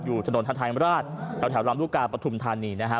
อยู่ถนนธรรมราชแล้วแถวร้ำลูกกาปฐุมธานีนะครับ